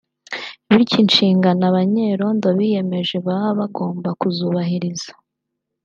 bityo inshingano abanyerondo biyemeje baba bagomba kuzubahiriza